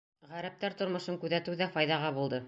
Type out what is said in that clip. Ғәрәптәр тормошон күҙәтеү ҙә файҙаға булды.